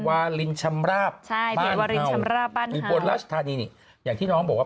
วาลินชำราบบ้านเขาอย่างที่น้องบอกว่า